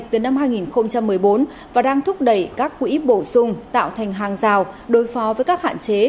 từ năm hai nghìn một mươi bốn và đang thúc đẩy các quỹ bổ sung tạo thành hàng rào đối phó với các hạn chế